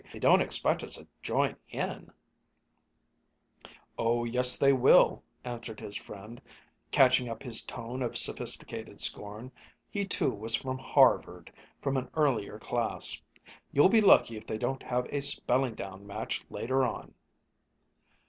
They don't expect us to join in!" "Oh yes, they will," answered his friend, catching up his tone of sophisticated scorn. He too was from Harvard, from an earlier class. "You'll be lucky if they don't have a spelling down match, later on."